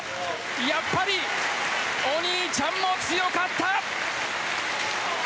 やっぱりお兄ちゃんも強かった！